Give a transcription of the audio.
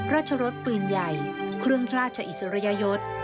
ราชรสปืนใหญ่เคลื่องราชอิสรยศ